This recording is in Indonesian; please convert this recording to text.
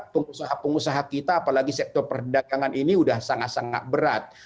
pengusaha pengusaha kita apalagi sektor perdagangan ini sudah sangat sangat berat